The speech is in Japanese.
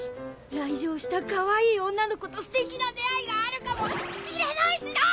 来場したかわいい女の子とステキな出会いがあるかもしれないしな！